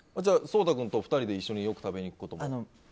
颯太君と２人で一緒によく食べに行くこともあるの？